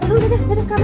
aduh dadah dadah kamera